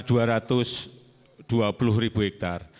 sebesar dua ratus dua puluh ribu hektar